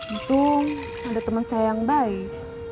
untung ada temen saya yang baik